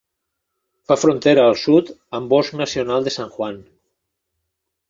Fa frontera al sud amb bosc nacional de San Juan.